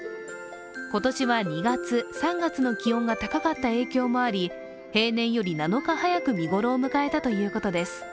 今年は２月、３月の気温が高かった影響もあり、平年より７日早く見頃を迎えたということです。